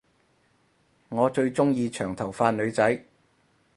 我最鐘意長頭髮女仔